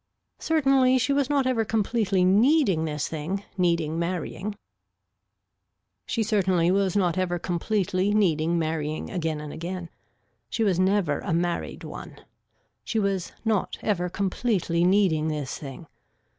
Certainly she was not ever completely needing this thing, needing marrying, she certainly was not ever completely needing marrying again and again. She was never a married one. She was not ever completely needing this thing.